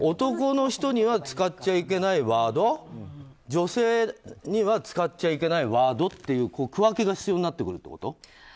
だから、男の人には使っちゃいけないワード女性には使っちゃいけないワードっていう区分けが必要になってくるってこと？